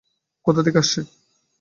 কোথা থেকে আসছে?